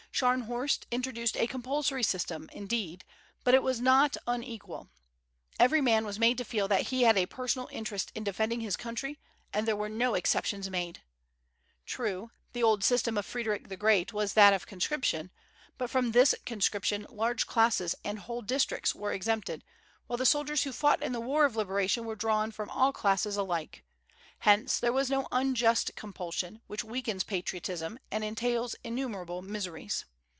Scharnhorst introduced a compulsory system, indeed, but it was not unequal. Every man was made to feel that he had a personal interest in defending his country, and there were no exemptions made. True, the old system of Frederic the Great was that of conscription; but from this conscription large classes and whole districts were exempted, while the soldiers who fought in the war of liberation were drawn from all classes alike: hence, there was no unjust compulsion, which weakens patriotism, and entails innumerable miseries.